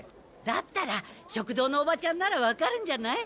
だったら食堂のおばちゃんならわかるんじゃない？